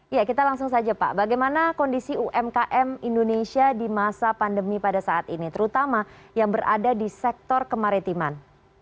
ya kita langsung saja pak bagaimana kondisi umkm indonesia di masa pandemi pada saat ini terutama yang berada di sektor kemaritiman